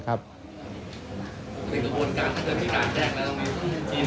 ในกระบวนการถ้าเกิดมีการแจ้ง